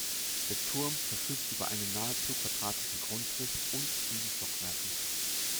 Der Turm verfügt über einen nahezu quadratischen Grundriss und sieben Stockwerke.